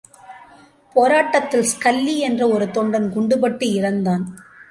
போராட்டத்தில் ஸ்கல்லி என்ற ஒரு தொண்டன் குண்டுபட்டு இறந்தான்.